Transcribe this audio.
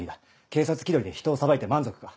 警察気取りで人を裁いて満足か？